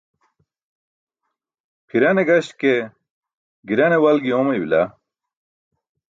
Pʰirane gaśke girane walgi oomaybila.